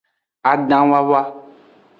Adanwawa.